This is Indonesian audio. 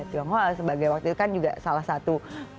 budaya indonesia budaya tiongkok sebagai waktu itu kan juga salah satu